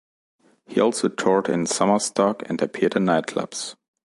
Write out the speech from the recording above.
He also toured in summer stock and appeared in nightclubs.